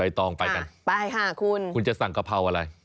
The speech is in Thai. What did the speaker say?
ายต้องไปกันครับคุณจะสั่งกะเพราอะไรไปค่ะคุณ